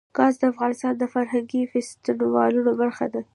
ګاز د افغانستان د فرهنګي فستیوالونو برخه ده.